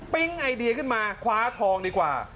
ปิ๊งไอเดียขึ้นมาขวาทองดีกว่า